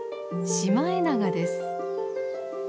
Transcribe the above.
シマエナガです。